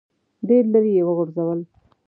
ډېر لیرې یې وغورځول.